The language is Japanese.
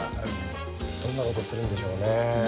どんな事するんでしょうね。ね。